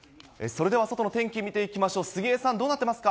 それでは外の天気見ていきましょう。